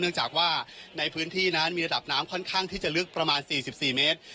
เนื่องจากว่าในพื้นที่นั้นมีระดับน้ำค่อนข้างที่จะลึกประมาณ๔๔เมตร